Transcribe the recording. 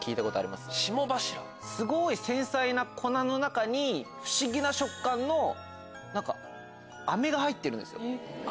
すごい繊細な粉の中に不思議な食感の飴が入ってるんですよ。